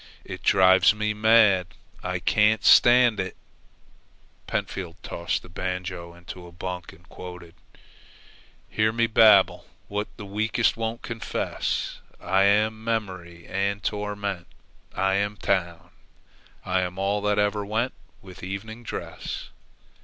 "It drives me mad. I can't stand it" Pentfield tossed the banjo into a bunk and quoted: "Hear me babble what the weakest won't confess I am Memory and Torment I am Town! I am all that ever went with evening dress!"